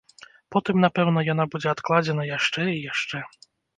Потым, напэўна, яна будзе адкладзена яшчэ і яшчэ.